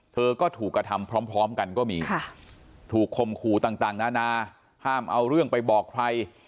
เธอก็ถูกกระทำพร้อมกันก็มีถูกคมขู่ต่างนานาห้ามเอาเรื่องไปบอกใคร